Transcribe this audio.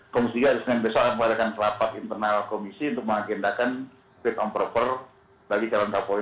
komis tiga di senin besok akan memadakan kelabatan internal komisi untuk mengagendakan street on proper bagi calon napoli